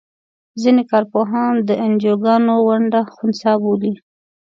ځینې کار پوهان د انجوګانو ونډه خنثی بولي.